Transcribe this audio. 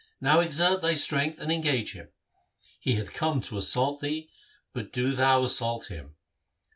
Now exert thy strength and engage him. He hath come to assault thee, but do thou assault him.'